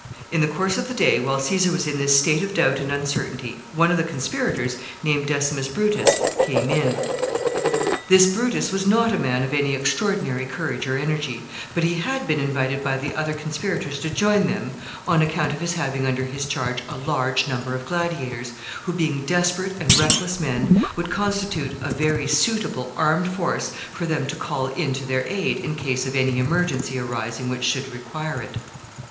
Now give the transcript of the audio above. ] In the course of the day, while Caesar was in this state of doubt and uncertainty, one of the conspirators, named Decimus Brutus, came in. This Brutus was not a man of any extraordinary courage or energy, but he had been invited by the other conspirators to join them, on account of his having under his charge a large number of gladiators, who, being desperate and reckless men, would constitute a very suitable armed force for them to call in to their aid in case of any emergency arising which should require it. [Sidenote: Decimus Brutus waits upon Caesar.